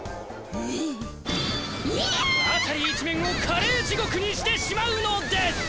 辺り一面をカレー地獄にしてしまうのです！